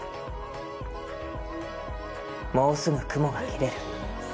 もうすぐ雲が切れる。